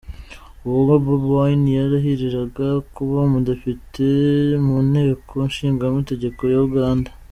Ubwo Bobi Wine yarahiriraga kuba umudepite mu Nteko Nshingamategeko ya Uganda.